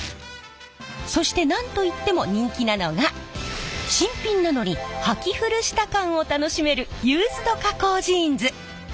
そして何と言っても人気なのが新品なのにはき古した感を楽しめるユーズド加工ジーンズ！